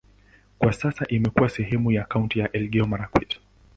Kwa sasa imekuwa sehemu ya kaunti ya Elgeyo-Marakwet.